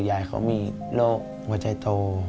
ยายเขามีโรคหัวใจโต